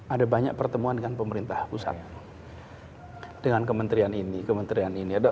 ada banyak pertemuan dengan pemerintah pusat dengan kementerian ini kementerian ini ada